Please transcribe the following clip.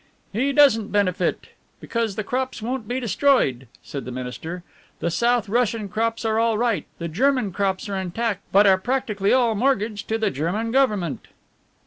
"He doesn't benefit, because the crops won't be destroyed," said the minister. "The South Russian crops are all right, the German crops are intact but are practically all mortgaged to the German Government."